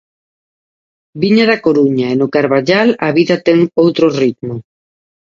Viña da Coruña e no Carballal a vida ten outro ritmo.